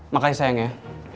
makasih sayang ya